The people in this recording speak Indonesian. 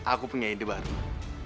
aku punya ide baru